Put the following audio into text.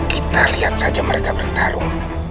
kita lihat saja mereka bertarung